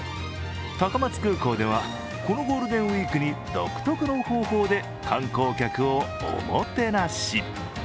高松空港では、このゴールデンウイークに独得の方法で観光客をおもてなし。